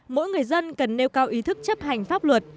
mỗi người dân cần nêu cao ý thức chấp hành pháp luật